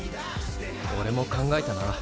おれも考えたな。